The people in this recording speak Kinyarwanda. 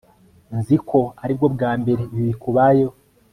nzi ko aribwo bwa mbere ibi bikubayeho